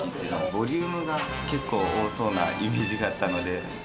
ボリュームが結構多そうなイメージがあったので。